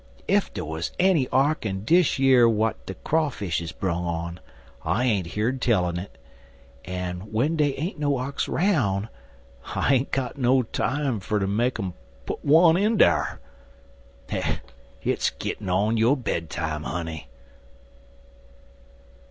Ef dey wuz enny ark in dish yer w'at de Crawfishes brung on, I ain't heern tell un it, en w'en dey ain't no arks 'roun', I ain't got no time fer ter make um en put um in dar. Hit's gittin' yo' bedtime, honey."